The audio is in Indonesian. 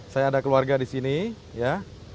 saya ada keluarga di sini ya